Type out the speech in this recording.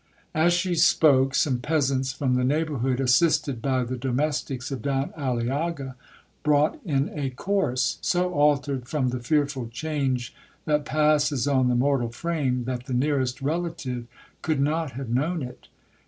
'As she spoke, some peasants from the neighbourhood, assisted by the domestics of Don Aliaga, brought in a corse, so altered from the fearful change that passes on the mortal frame, that the nearest relative could not have known it.